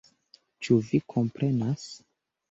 Ĉu vi komprenas??